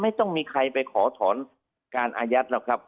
ไม่ต้องมีใครไปขอถอนการอายัดหรอกครับ